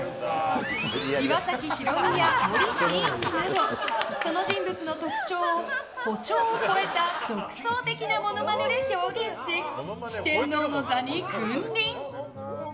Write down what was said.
岩崎宏美や森進一などその人物の特徴を誇張を超えた独創的なモノマネで表現し四天王の座に君臨。